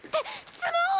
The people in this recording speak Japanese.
スマホ！